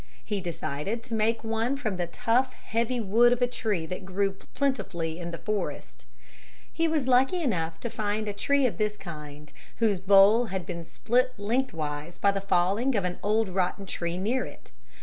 He decided to make one from the tough heavy wood of a tree that grew plentifully in the forest. He was lucky enough to find a tree of this kind whose bole had been split lengthwise by the falling of an old rotten tree near it.